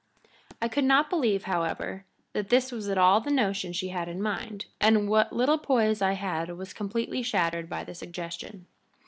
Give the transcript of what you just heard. I could not believe, however, that this was at all the notion she had in mind, and what little poise I had was completely shattered by the suggestion.